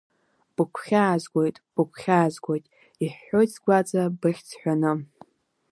Быгәхьаазгоит, быгәхьаазгоит, иҳәҳәоит сгәаҵа быхьӡ ҳәаны.